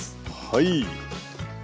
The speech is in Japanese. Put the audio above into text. はい。